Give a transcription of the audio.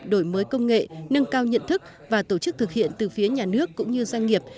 đổi mới công nghệ nâng cao nhận thức và tổ chức thực hiện từ phía nhà nước cũng như doanh nghiệp